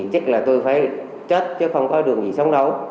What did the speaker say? chích là tôi phải chết chứ không có đường gì sống đấu